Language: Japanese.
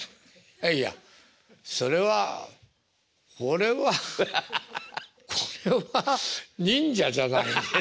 いやいやそれはこれはこれは忍者じゃないですか。